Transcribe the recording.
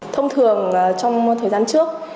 thông thường trong thời gian trước